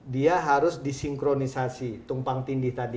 dia harus disinkronisasi tumpang tindih tadi